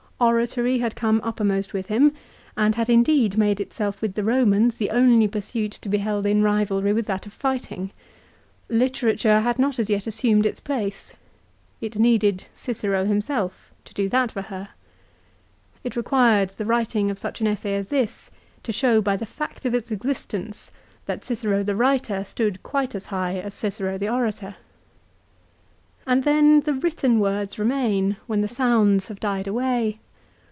Oratory had come uppermost with him, and had indeed made itself with the Romans the only pursuit to be held in rivalry with that of fighting. Literature had not as yet assumed its place. It needed Cicero himself to do that for her. It required the writing of such an essay as this to show by the fact of its existence, that Cicero the writer stood quite as high as Cicero the orator. And then the written words remain when the sounds have died away.